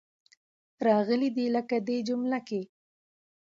راغلې دي. لکه دې جمله کې.